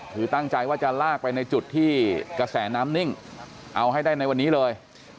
คือตั้งใจว่าจะลากไปในจุดที่กระแสน้ำนิ่งเอาให้ได้ในวันนี้เลย